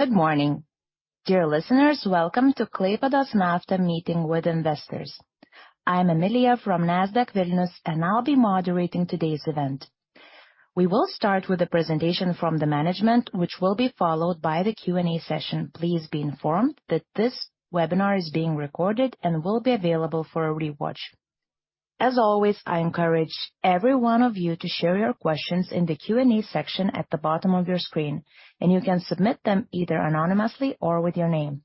Good morning. Dear listeners, welcome to Klaipėdos nafta Meeting with Investors. I'm Emilia from Nasdaq Vilnius, and I'll be moderating today's event. We will start with the presentation from the management, which will be followed by the Q&A session. Please be informed that this webinar is being recorded and will be available for a rewatch. As always, I encourage every one of you to share your questions in the Q&A section at the bottom of your screen, and you can submit them either anonymously or with your name.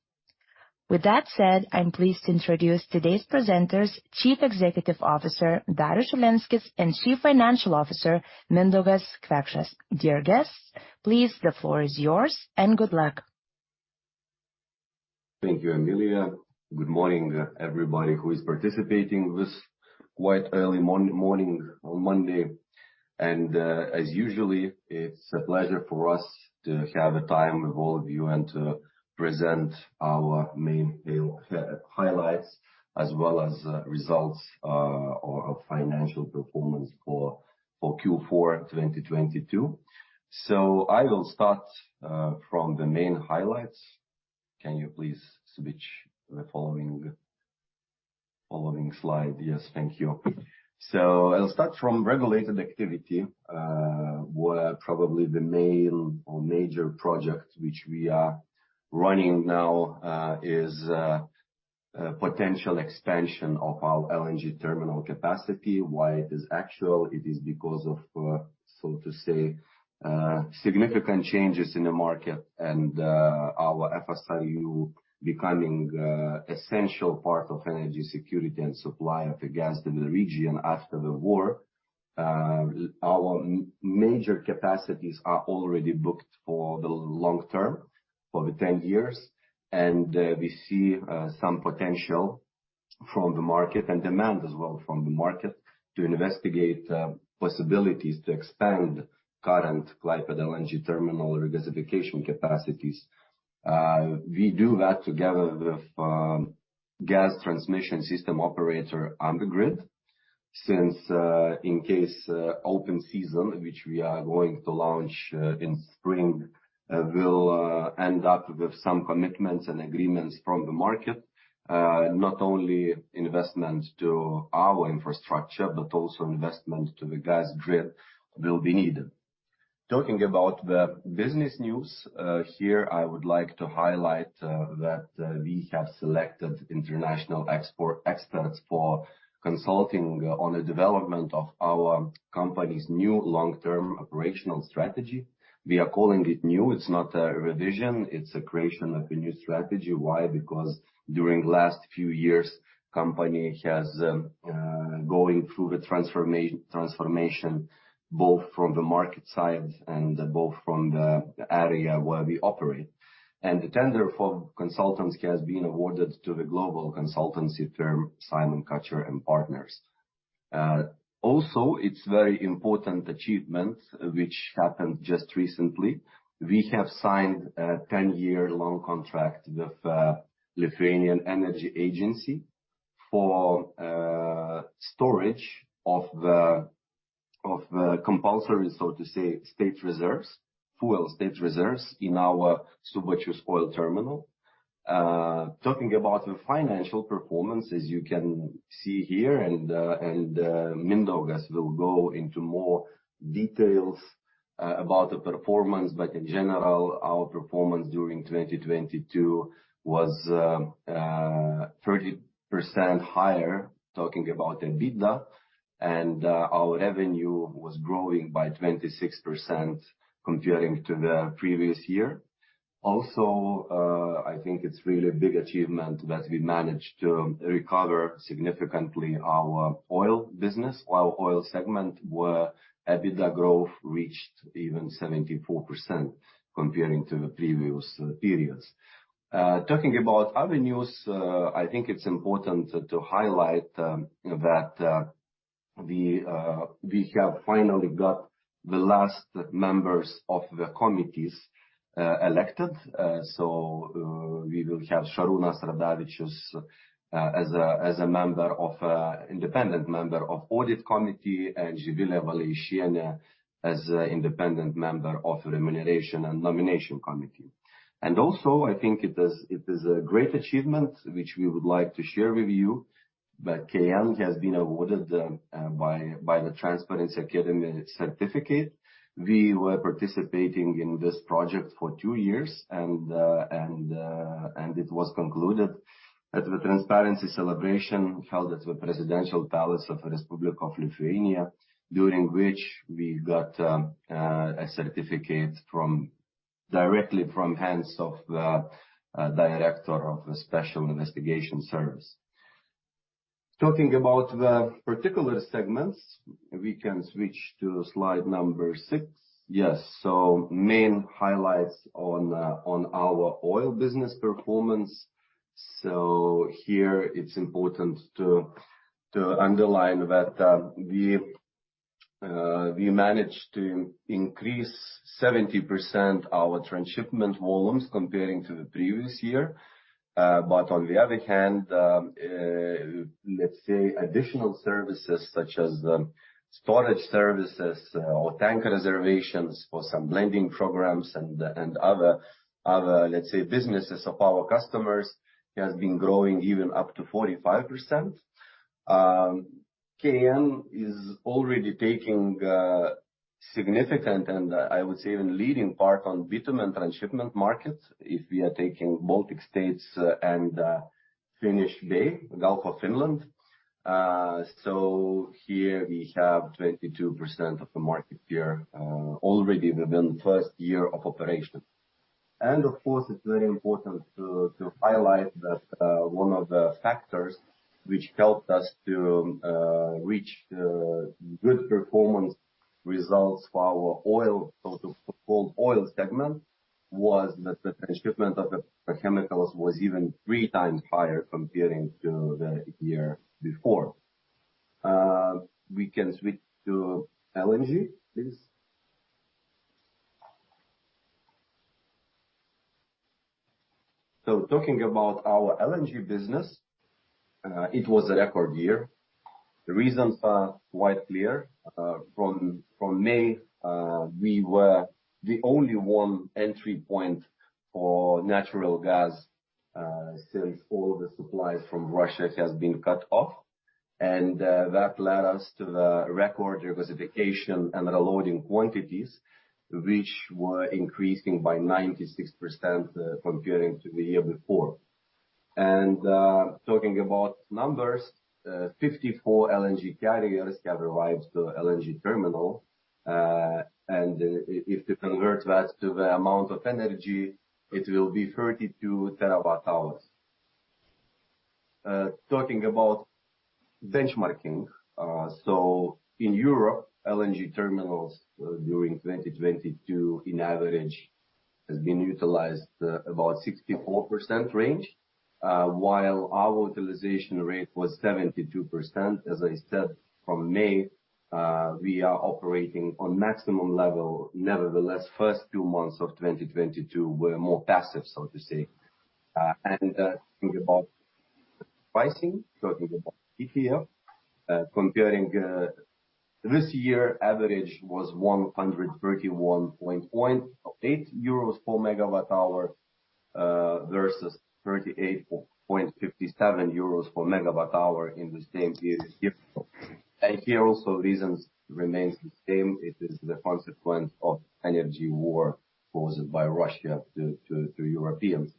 With that said, I'm pleased to introduce today's presenters, Chief Executive Officer, Darius Šilenskis, and Chief Financial Officer, Mindaugas Kvekšas. Dear guests, please, the floor is yours, and good luck. Thank you, Emilia. Good morning, everybody who is participating this quite early morning on Monday. as usually, it's a pleasure for us to have a time with all of you and to present our main highlights as well as results or our financial performance for Q4 2022. I will start from the main highlights. Can you please switch the following slide? Yes, thank you. I'll start from regulated activity, where probably the main or major project which we are running now is a potential expansion of our LNG terminal capacity. Why it is actual? It is because of, so to say, significant changes in the market and our FSRU becoming essential part of energy security and supply of the gas in the region after the war. Our major capacities are already booked for the long term, for the 10 years, and we see some potential from the market and demand as well from the market to investigate possibilities to expand current Klaipėda LNG terminal regasification capacities. We do that together with gas transmission system operator, Amber Grid. Since in case open season, which we are going to launch in spring, will end up with some commitments and agreements from the market, not only investment to our infrastructure, but also investment to the gas grid will be needed. Talking about the business news, here I would like to highlight that we have selected international export experts for consulting on the development of our company's new long-term operational strategy. We are calling it new. It's not a revision. It's a creation of a new strategy. Why? Because during last few years, company has going through the transformation, both from the market side and both from the area where we operate. The tender for consultancy has been awarded to the global consultancy firm, Simon-Kucher & Partners. Also it's very important achievement which happened just recently. We have signed a 10-year loan contract with Lithuanian Energy Agency for storage of the compulsory, so to say, state reserves, fuel state reserves in our Subačius oil terminal. Talking about the financial performance, as you can see here, and Mindaugas will go into more details about the performance. In general, our performance during 2022 was 30% higher, talking about EBITDA, and our revenue was growing by 26% comparing to the previous year. I think it's really a big achievement that we managed to recover significantly our oil business. Our oil segment, where EBITDA growth reached even 74% comparing to the previous periods. Talking about other news, I think it's important to highlight that we have finally got the last members of the committees elected. We will have Šarūnas Radavičius as independent member of audit committee, and Živilė Valeišienė as independent member of remuneration and nomination committee. I think it is a great achievement, which we would like to share with you, that KN has been awarded by the Transparency Academy Certificate. We were participating in this project for two years, and it was concluded at the transparency celebration held at the Presidential Palace of the Republic of Lithuania, during which we got a certificate directly from hands of the director of the Special Investigation Service. Talking about the particular segments, we can switch to slide number six. Yes. Main highlights on our oil business performance. Here it's important to underline that we managed to increase 70% our transshipment volumes comparing to the previous year. But on the other hand, let's say additional services such as storage services or tank reservations for some lending programs and other, let's say, businesses of our customers has been growing even up to 45%. KN is already taking significant, and I would say even leading part on bitumen transshipment markets if we are taking Baltic states and Finnish Bay, Gulf of Finland. Here we have 22% of the market share already within the first year of operation. Of course, it's very important to highlight that one of the factors which helped us to reach good performance results for our oil, so to hold oil segment, was that the transshipment of the chemicals was even three times higher comparing to the year before. We can switch to LNG, please. Talking about our LNG business, it was a record year. The reasons are quite clear. From May, we were the only one entry point for natural gas since all the supplies from Russia has been cut off. That led us to the record regasification and reloading quantities, which were increasing by 96% comparing to the year before. Talking about numbers, 54 LNG carriers have arrived to LNG terminal. And if we convert that to the amount of energy, it will be 32 terawatt-hours. Talking about benchmarking. So in Europe, LNG terminals, during 2022 in average has been utilized about 64% range, while our utilization rate was 72%. As I said, from May, we are operating on maximum level. Nevertheless, first two months of 2022 were more passive, so to say. Talking about pricing, talking about TTM, comparing, this year average was 131.8 euros per megawatt hour versus 38.57 euros per megawatt hour in the same year. here also reasons remains the same. It is the consequence of energy war caused by Russia to Europeans.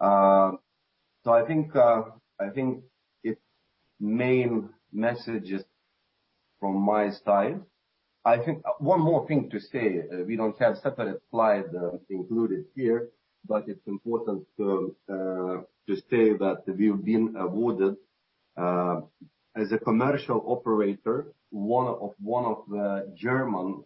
I think, I think it's main message is from my side. One more thing to say. We don't have separate slide included here, but it's important to say that we've been awarded as a commercial operator, one of the German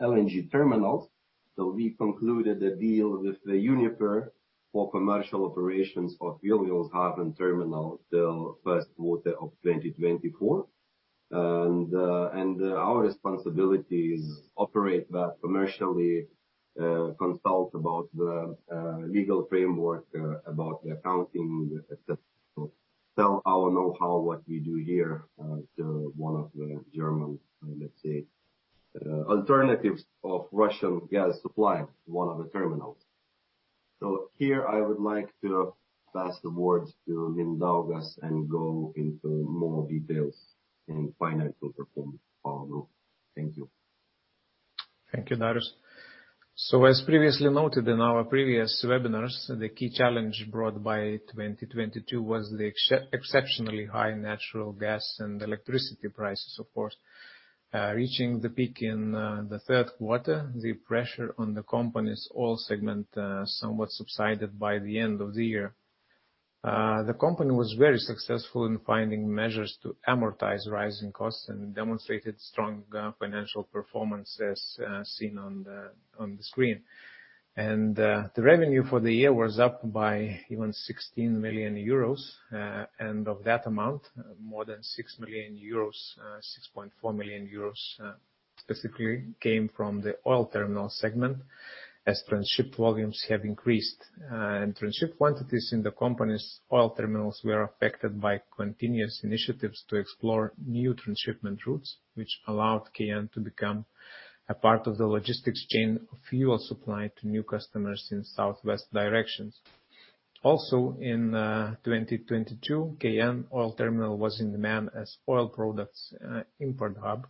LNG terminals. We concluded a deal with Uniper for commercial operations of Wilhelmshaven Terminal till first quarter of 2024. Our responsibility is operate that commercially, consult about the legal framework, about the accounting, et cetera. Sell our know-how, what we do here, to one of the German, let's say, alternatives of Russian gas supply, one of the terminals. Here I would like to pass the word to Mindaugas and go into more details in financial performance of our group. Thank you. Thank you, Darius. As previously noted in our previous webinars, the key challenge brought by 2022 was the exceptionally high natural gas and electricity prices, of course. Reaching the peak in the third quarter. The pressure on the company's oil segment somewhat subsided by the end of the year. The company was very successful in finding measures to amortize rising costs and demonstrated strong financial performance as seen on the screen. The revenue for the year was up by even 16 million euros. Of that amount, more than 6 million euros, 6.4 million euros specifically came from the oil terminal segment as transship volumes have increased. Transship quantities in the company's oil terminals were affected by continuous initiatives to explore new transshipment routes, which allowed KN to become a part of the logistics chain of fuel supply to new customers in southwest directions. In 2022, KN Oil Terminal was in demand as oil products import hub,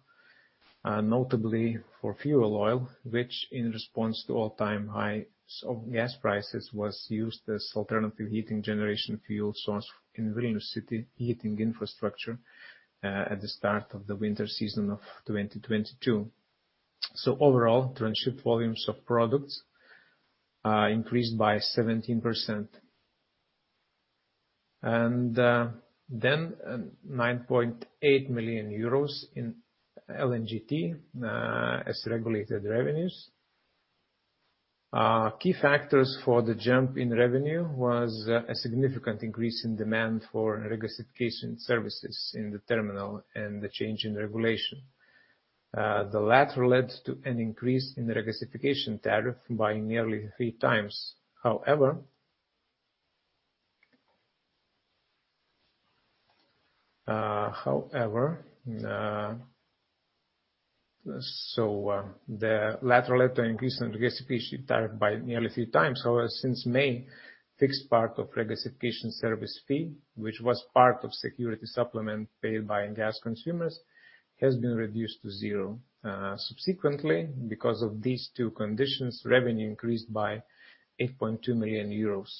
notably for fuel oil, which in response to all-time highs of gas prices, was used as alternative heating generation fuel source in Vilnius city heating infrastructure at the start of the winter season of 2022. Overall, transship volumes of products increased by 17%. 9.8 million euros in LNGT as regulated revenues. Key factors for the jump in revenue was a significant increase in demand for regasification services in the terminal, and the change in regulation. However, the latter led to increase in regasification tariff by nearly three times. However, since May, fixed part of regasification service fee, which was part of security supplement paid by gas consumers, has been reduced to zero. Subsequently, because of these two conditions, revenue increased by 8.2 million euros.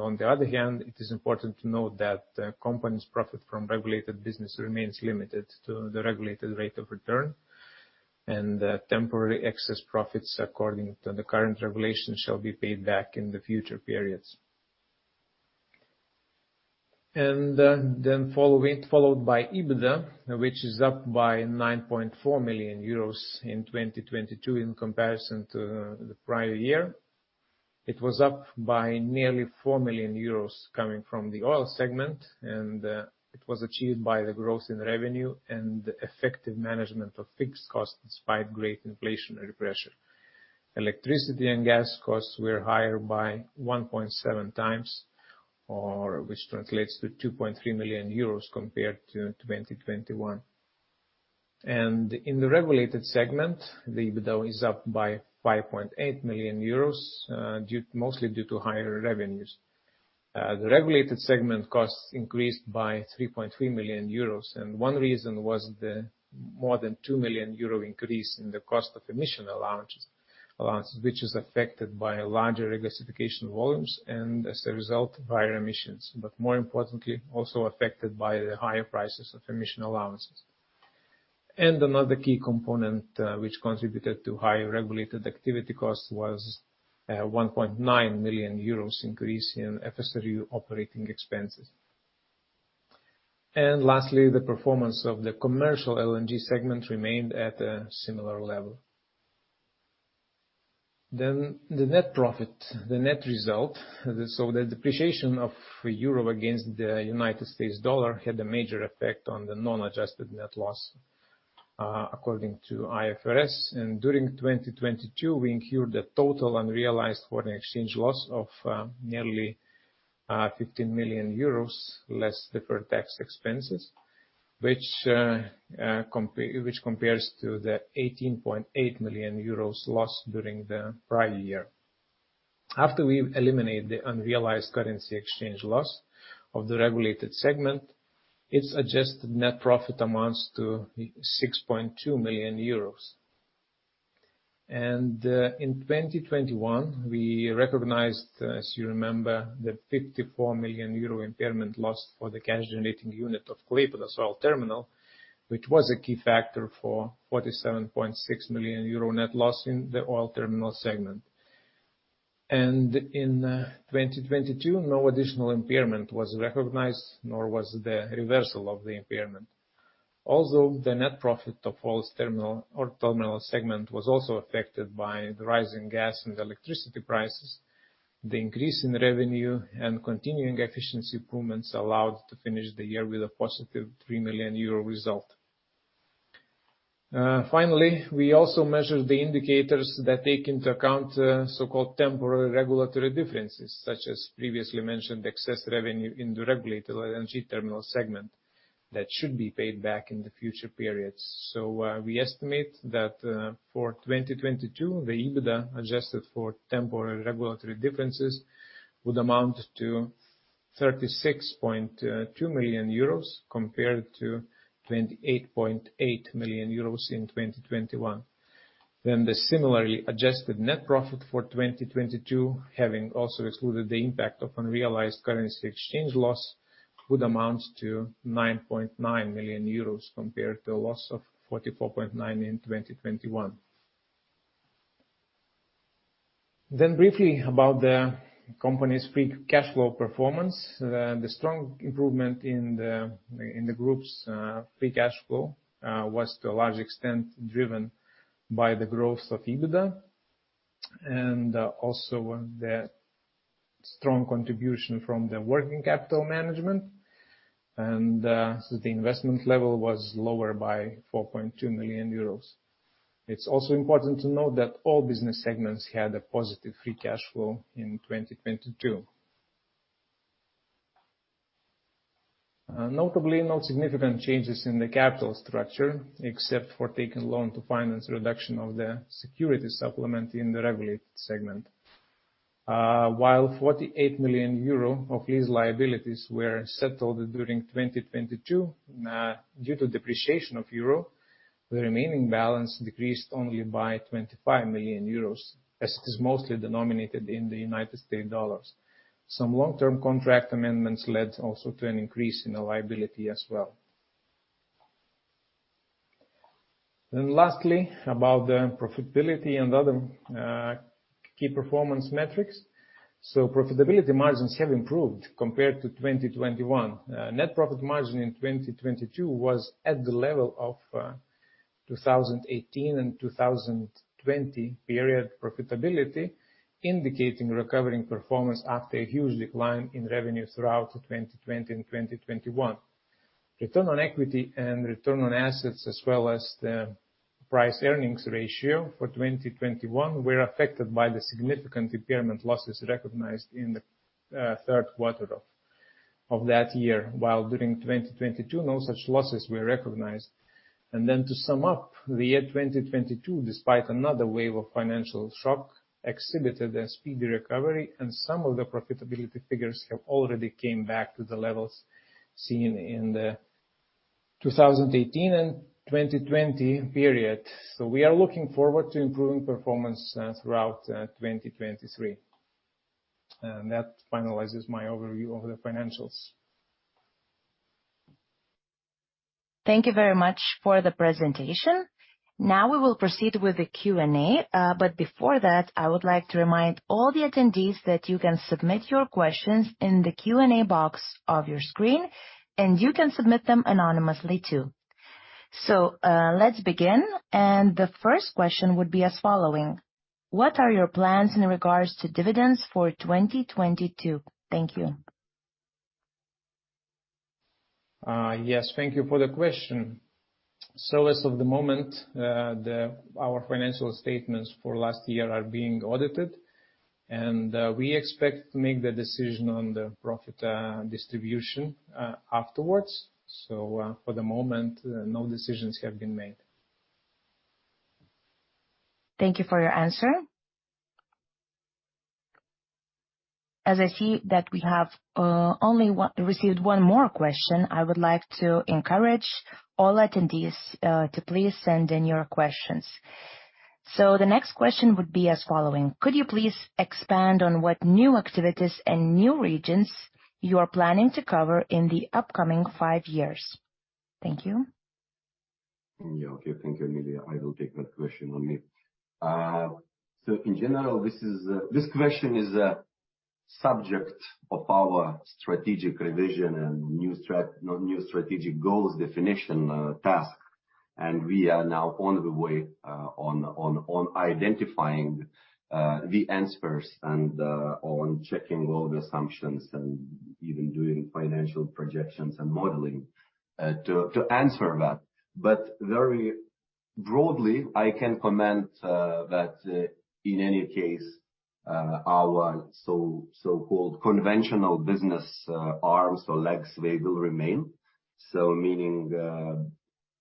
On the other hand, it is important to note that the company's profit from regulated business remains limited to the regulated rate of return, and the temporary excess profits, according to the current regulations, shall be paid back in the future periods. EBITDA, which is up by 9.4 million euros in 2022 in comparison to the prior year. It was up by nearly 4 million euros coming from the oil segment, and it was achieved by the growth in revenue and effective management of fixed costs despite great inflationary pressure. Electricity and gas costs were higher by 1.7 times, or which translates to 2.3 million euros compared to 2021. In the regulated segment, the EBITDA is up by 5.8 million euros, mostly due to higher revenues. The regulated segment costs increased by 3.3 million euros, and one reason was the more than 2 million euro increase in the cost of emission allowances, which is affected by larger regasification volumes and, as a result, higher emissions, but more importantly, also affected by the higher prices of emission allowances. Another key component, which contributed to higher regulated activity costs was 1.9 million euros increase in FSRU operating expenses. Lastly, the performance of the commercial LNG segment remained at a similar level. The net profit, the net result. The depreciation of Euro against the United States dollar had a major effect on the non-adjusted net loss, according to IFRS. During 2022, we incurred a total unrealized foreign exchange loss of nearly 15 million euros, less deferred tax expenses, which compares to the 18.8 million euros loss during the prior year. After we eliminate the unrealized currency exchange loss of the regulated segment, its adjusted net profit amounts to 6.2 million euros. In 2021, we recognized, as you remember, the 54 million euro impairment loss for the cash generating unit of Klaipėda Oil Terminal, which was a key factor for 47.6 million euro net loss in the oil terminal segment. In 2022, no additional impairment was recognized, nor was the reversal of the impairment. Although the net profit of oil's terminal or terminal segment was also affected by the rising gas and electricity prices, the increase in revenue and continuing efficiency improvements allowed to finish the year with a positive 3 million euro result. Finally, we also measured the indicators that take into account so-called temporary regulatory differences, such as previously mentioned, excess revenue in the regulated LNG terminal segment that should be paid back in the future periods. We estimate that for 2022, the EBITDA adjusted for temporary regulatory differences would amount to 36.2 million euros compared to 28.8 million euros in 2021. The similarly adjusted net profit for 2022, having also excluded the impact of unrealized currency exchange loss, would amount to 9.9 million euros compared to a loss of 44.9 in 2021. Briefly about the company's free cash flow performance. The strong improvement in the group's free cash flow was to a large extent driven by the growth of EBITDA and also the strong contribution from the working capital management. The investment level was lower by 4.2 million euros. It's also important to note that all business segments had a positive free cash flow in 2022. Notably, no significant changes in the capital structure, except for taking loan to finance reduction of the security supplement in the regulated segment. While 48 million euro of these liabilities were settled during 2022, due to depreciation of euro, the remaining balance decreased only by 25 million euros, as it is mostly denominated in the United States dollars. Some long-term contract amendments led also to an increase in the liability as well. Lastly, about the profitability and other key performance metrics. Profitability margins have improved compared to 2021. Net profit margin in 2022 was at the level of 2018 and 2020 period profitability, indicating recovering performance after a huge decline in revenue throughout 2020 and 2021. Return on equity and return on assets, as well as the price earnings ratio for 2021 were affected by the significant impairment losses recognized in the third quarter of that year. While during 2022, no such losses were recognized. To sum up, the year 2022, despite another wave of financial shock, exhibited a speedy recovery, and some of the profitability figures have already came back to the levels seen in the 2018 and 2020 period. We are looking forward to improving performance throughout 2023. That finalizes my overview of the financials. Thank you very much for the presentation. Now we will proceed with the Q&A. Before that, I would like to remind all the attendees that you can submit your questions in the Q&A box of your screen, and you can submit them anonymously too. Let's begin. The first question would be as following: What are your plans in regards to dividends for 2022? Thank you. Yes, thank you for the question. As of the moment, our financial statements for last year are being audited, and we expect to make the decision on the profit distribution afterwards. For the moment, no decisions have been made. Thank you for your answer. As I see that we have only one received one more question, I would like to encourage all attendees to please send in your questions. The next question would be as following: Could you please expand on what new activities and new regions you are planning to cover in the upcoming five years? Thank you. Yeah. Okay. Thank you, Emilia. I will take that question on me. In general, this question is a subject of our strategic revision and new strategic goals definition task. We are now on the way on identifying the answers and on checking all the assumptions and even doing financial projections and modeling to answer that. Very broadly, I can comment that in any case, our so-called conventional business arms or legs, they will remain. Meaning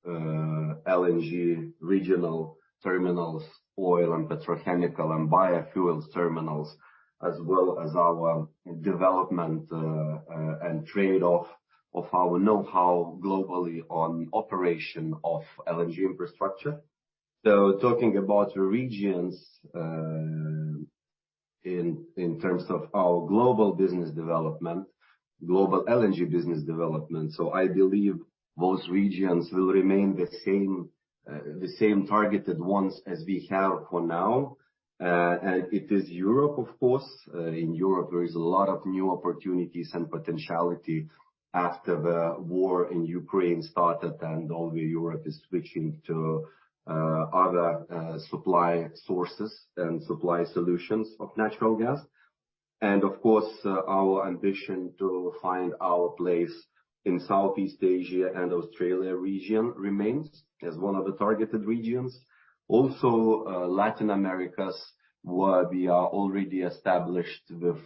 LNG regional terminals, oil and petrochemical and biofuels terminals, as well as our development and trade-off of our know-how globally on operation of LNG infrastructure. Talking about regions in terms of our global business development, global LNG business development. I believe most regions will remain the same, the same targeted ones as we have for now. It is Europe, of course. In Europe, there is a lot of new opportunities and potentiality after the war in Ukraine started, and all the Europe is switching to other supply sources and supply solutions of natural gas. Our ambition to find our place in Southeast Asia and Australia region remains as one of the targeted regions. Latin Americas, where we are already established with,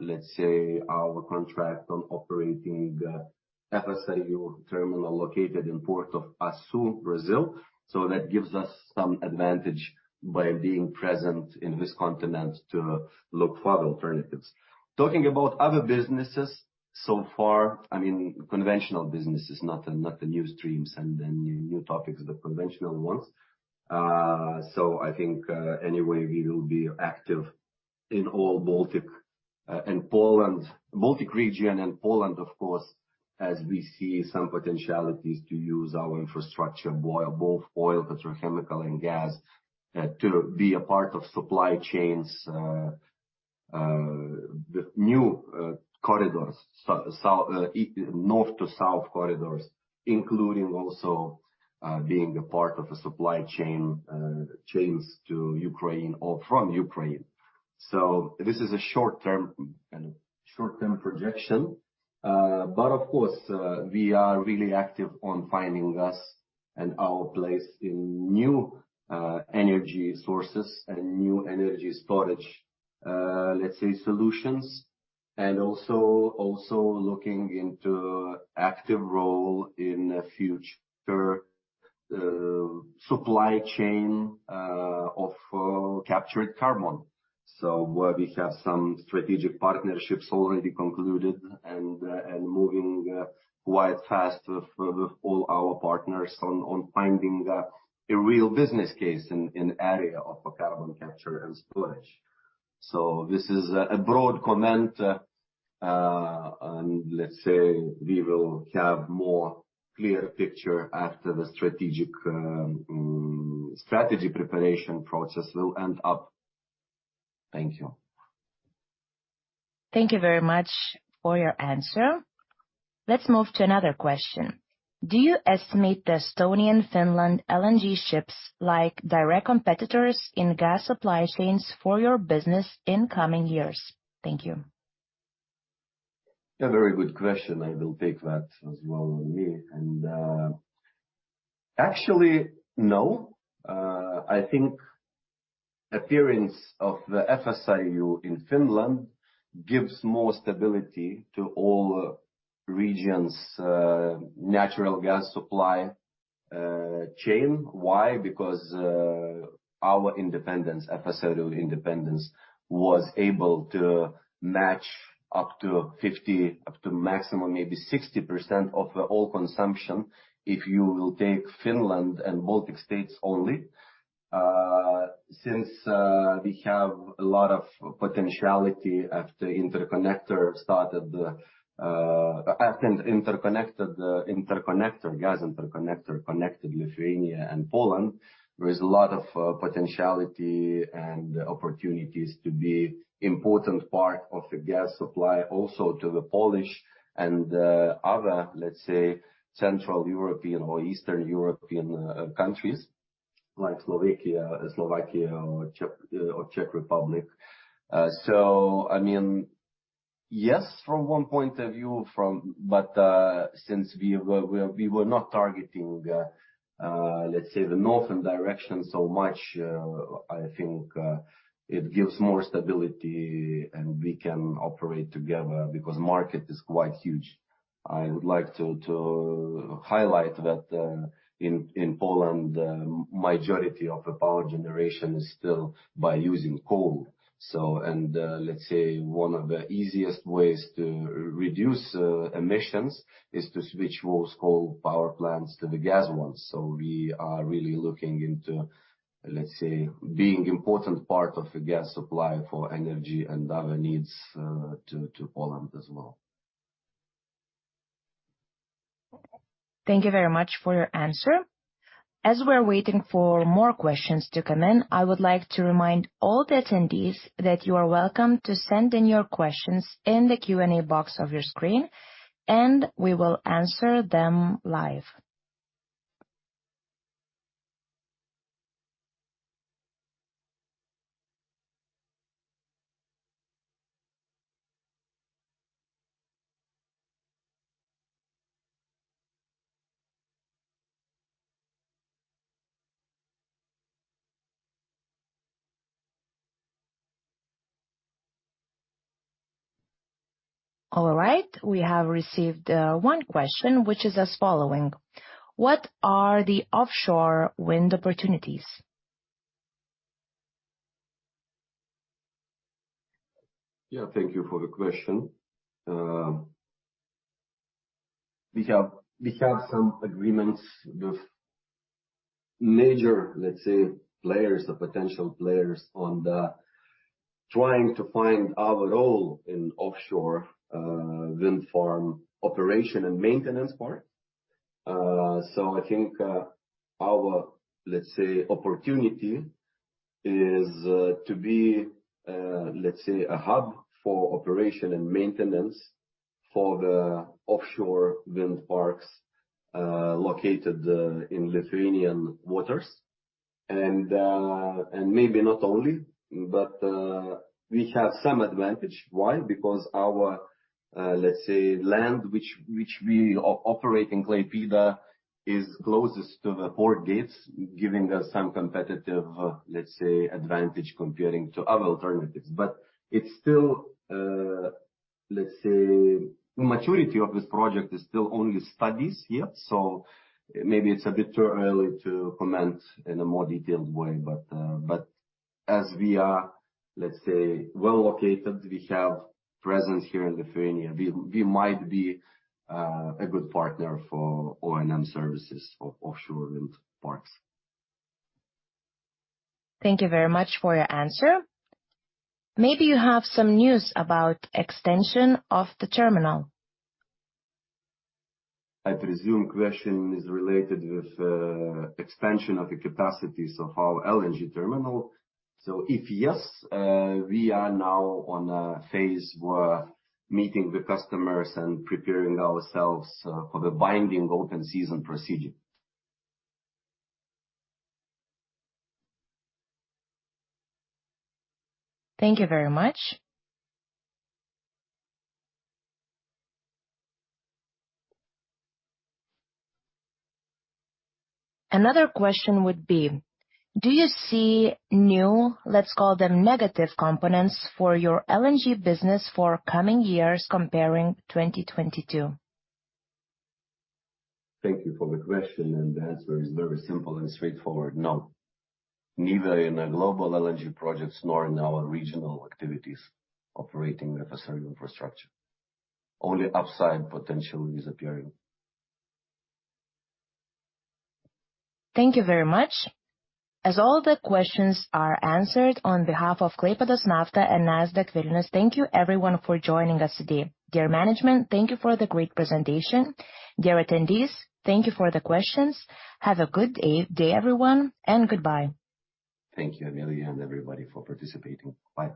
let's say, our contract on operating FSRU terminal located in Port of Açu, Brazil. That gives us some advantage by being present in this continent to look for other alternatives. Talking about other businesses, so far, I mean, conventional businesses, not the, not the new streams and the new topics, the conventional ones. I think, anyway, we will be active in all Baltic and Poland. Baltic region and Poland, of course, as we see some potentialities to use our infrastructure, both oil, petrochemical and gas, to be a part of supply chains, the new corridors, north to south corridors, including also, being a part of a supply chain, chains to Ukraine or from Ukraine. This is a short-term projection. Of course, we are really active on finding us and our place in new energy sources and new energy storage, let's say solutions, also looking into active role in a future supply chain of captured carbon. Where we have some strategic partnerships already concluded and moving quite fast with all our partners on finding a real business case in area of carbon capture and storage. This is a broad comment, and let's say we will have more clear picture after the strategy preparation process will end up. Thank you. Thank you very much for your answer. Let's move to another question. Do you estimate the Estonian, Finland LNG ships, like direct competitors in gas supply chains for your business in coming years? Thank you. A very good question. I will take that as well on me. Actually, no. I think appearance of the FSRU in Finland gives more stability to all regions, natural gas supply, chain. Why? Because our independence, FSRU independence, was able to match up to 50, up to maximum maybe 60% of all consumption, if you will take Finland and Baltic states only. Since we have a lot of potentiality after interconnector started, at an interconnected interconnector, gas interconnector connected Lithuania and Poland, there is a lot of potentiality and opportunities to be important part of the gas supply also to the Polish and other, let's say, central European or eastern European countries, like Slovakia or Czech Republic. I mean, yes, from one point of view from... Since we were not targeting, let's say, the northern direction so much, I think, it gives more stability and we can operate together because market is quite huge. I would like to highlight that, in Poland, majority of the power generation is still by using coal. Let's say one of the easiest ways to reduce emissions is to switch those coal power plants to the gas ones. We are really looking into, let's say, being important part of the gas supply for energy and other needs, to Poland as well. Thank you very much for your answer. As we're waiting for more questions to come in, I would like to remind all the attendees that you are welcome to send in your questions in the Q&A box of your screen. We will answer them live. All right, we have received, one question, which is as following: What are the offshore wind opportunities? Yeah, thank you for the question. We have some agreements with major, let's say, players or potential players. Trying to find our role in offshore wind farm operation and maintenance part. I think our, let's say, opportunity is to be, let's say, a hub for operation and maintenance for the offshore wind parks located in Lithuanian waters. And maybe not only, but we have some advantage. Why? Because our, let's say, land which we operate in Klaipėda is closest to the port gates, giving us some competitive, let's say, advantage comparing to other alternatives. It's still, let's say, maturity of this project is still only studies, yeah. Maybe it's a bit too early to comment in a more detailed way. As we are, let's say, well located, we have presence here in Lithuania. We might be a good partner for O&M services for offshore wind parks. Thank you very much for your answer. Maybe you have some news about extension of the terminal. I'd presume question is related with expansion of the capacities of our LNG terminal. If yes, we are now on a phase where meeting the customers and preparing ourselves for the binding open season procedure. Thank you very much. Another question would be: Do you see new, let's call them negative components, for your LNG business for coming years comparing 2022? Thank you for the question, and the answer is very simple and straightforward, no, neither in the global LNG projects nor in our regional activities operating the FSRU infrastructure. Only upside potential is appearing. Thank you very much. As all the questions are answered, on behalf of Klaipėdos nafta and Nasdaq Vilnius, thank you everyone for joining us today. Dear management, thank you for the great presentation. Dear attendees, thank you for the questions. Have a good day, everyone, and goodbye. Thank you, Emilia, and everybody for participating. Bye-bye.